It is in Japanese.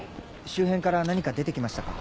周辺から何か出て来ましたか？